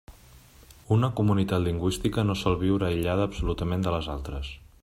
Una comunitat lingüística no sol viure aïllada absolutament de les altres.